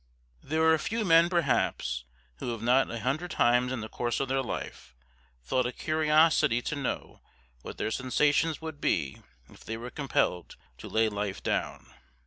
There are few men, perhaps, who have not a hundred times in the course of their life, felt a curiosity to know what their sensations would be if they were compelled to lay life down.